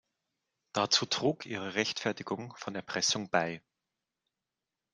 Dazu trug ihre Rechtfertigung von Erpressung bei.